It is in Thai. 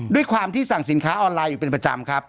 ด้วยความที่สั่งสินค้าออนไลน์อยู่เป็นประจำครับ